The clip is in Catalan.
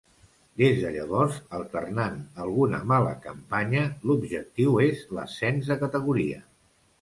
Des de llavors, alternant alguna mala campanya, l'objectiu és l'ascens de categoria.